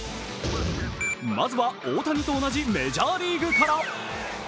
まずは大谷と同じメジャーリーグから。